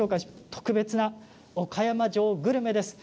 特別な岡山城グルメです。